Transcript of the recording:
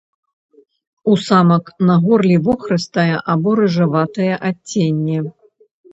У самак на горле вохрыстае або рыжаватае адценне.